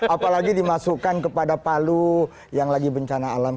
apalagi dimasukkan kepada palu yang lagi bencana alam